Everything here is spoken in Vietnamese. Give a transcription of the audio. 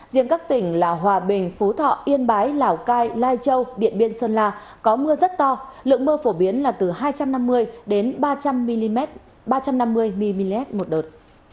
riêng các tỉnh là hòa bình phú thọ yên bái lào cai lai châu điện biên sơn la có mưa rất to lượng mưa phổ biến là từ hai trăm năm mươi ba trăm năm mươi mm một đợt